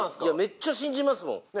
いやめっちゃ信じますもん。